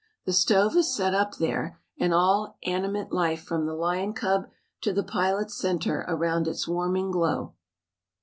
The stove is set up there and all animate life from the lion cub to the pilots centre around its warming glow.